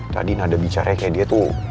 tadi nada bicaranya kayak dia tuh